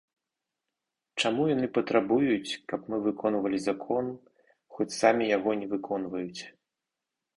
Чаму яны патрабуюць, каб мы выконвалі закон, хоць самі яго не выконваюць?